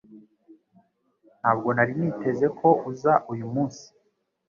Ntabwo nari niteze ko uza uyu munsi